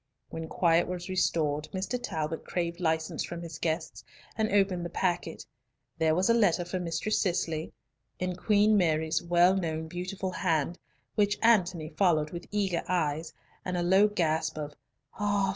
When quiet was restored, Mr. Talbot craved license from his guests, and opened the packet. There was a letter for Mistress Cicely Talbot in Queen Mary's well known beautiful hand, which Antony followed with eager eyes, and a low gasp of "Ah!